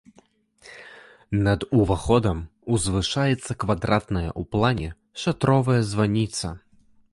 Над уваходам узвышаецца квадратная ў плане шатровая званіца.